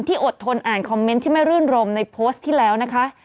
อดทนอ่านคอมเมนต์ที่ไม่รื่นรมในโพสต์ที่แล้วนะคะ